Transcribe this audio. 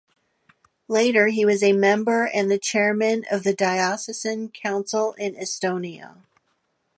Later, he was a member and the chairman of the Diocesan Council in Estonia.